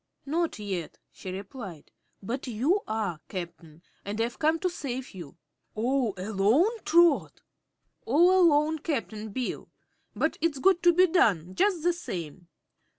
"Not yet," she replied; "but you are, Cap'n, and I've come to save you." "All alone, Trot?" "All alone, Cap'n Bill. But it's got to be done, jus' the same."